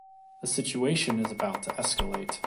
The situation is about to escalate.